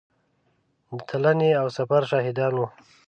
د تلنې او سفر شاهدان وو.